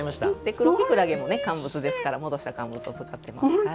黒きくらげも乾物ですから戻した乾物を使っています。